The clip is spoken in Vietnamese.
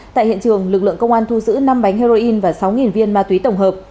tại hiện trường lực lượng công an thu giữ năm bánh heroin và sáu viên ma túy tổng hợp